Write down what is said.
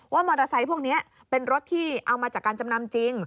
มอเตอร์ไซค์พวกนี้เป็นรถที่เอามาจากการจำนำจริง